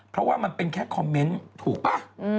เพราะว่ามันเป็นแค่คอมเมนต์ถูกป่ะ